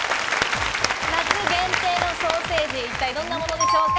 夏限定のソーセージ、一体どんなものでしょうか？